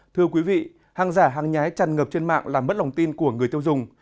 thưa quý vị hàng giả hàng nhái tràn ngập trên mạng làm mất lòng tin của người tiêu dùng